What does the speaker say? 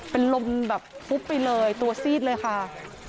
เป็นลมแบบปุ๊บไปเลยตัวซีดเลยค่ะ